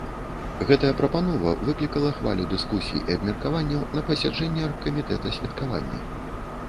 Гэтая прапанова выклікала хвалю дыскусій і абмеркаванняў на пасяджэнні аргкамітэта святкавання.